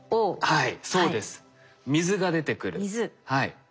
はい。